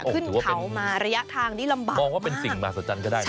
ขึ้นเขามาระยะทางนี้ลำบากมองว่าเป็นสิ่งมหัศจรรย์ก็ได้